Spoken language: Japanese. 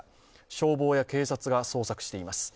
消防や警察が捜索しています。